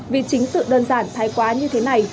vì chính sự đơn giản thái quá như thế này